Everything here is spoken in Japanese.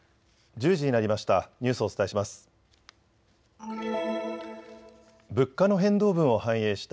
１０時になりました。